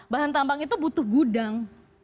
bahan tambang itu butuh gudang